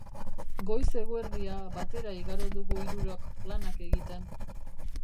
Goiz-eguerdia batera igaro dugu hirurok, planak egiten.